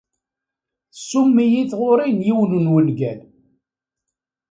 Tsumm-iyi tɣuri n yiwen n wungal.